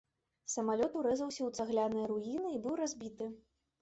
Самалёт урэзаўся ў цагляныя руіны і быў разбіты.